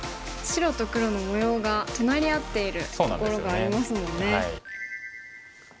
白と黒の模様が隣り合っているところがありますもんね。